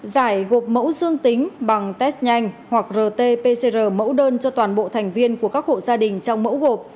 giải gộp mẫu dương tính bằng test nhanh hoặc rt pcr mẫu đơn cho toàn bộ thành viên của các hộ gia đình trong mẫu gộp